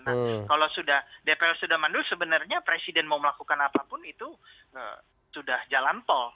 nah kalau sudah dpr sudah mandul sebenarnya presiden mau melakukan apapun itu sudah jalan tol